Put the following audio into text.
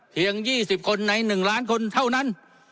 ๒๐คนใน๑ล้านคนเท่านั้น